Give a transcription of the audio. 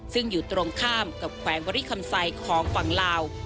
ซึ่งอยู่ตรงข้ามกับแขวงบริคำไซของฝั่งลาว